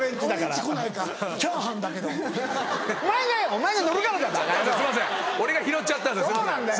すいません俺が拾っちゃったんです。